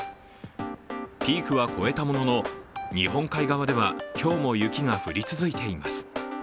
ピークは越えたものの日本海側では今日も雪が降り続いています。